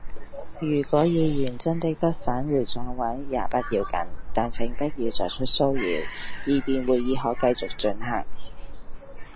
如果議員真的不返回座位，也不要緊，但請不要作出騷擾，以便會議可繼續進行。